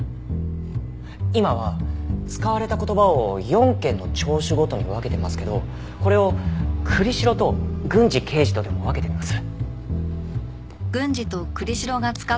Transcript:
今は使われた言葉を４件の聴取ごとに分けてますけどこれを栗城と郡司刑事とでも分けてみます。